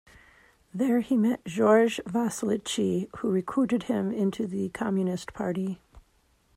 There he met Gheorghe Vasilichi, who recruited him into the Communist Party.